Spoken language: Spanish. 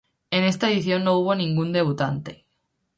En esta edición no hubo ningún debutante.